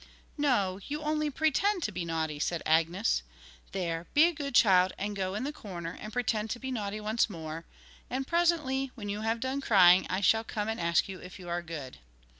'No, you only pretend to be naughty,' said Agnes. 'There, be a good child, and go in the corner, and pretend to be naughty once more, and presently, when you have done crying, I shall come and ask you if you are good.'